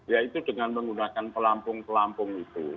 yaitu dengan menggunakan pelampung pelampung itu